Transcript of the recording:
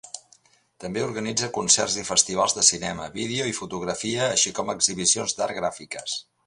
També organitza concerts i festivals de cinema, vídeo i fotografia, així com exhibicions d'art gràfiques.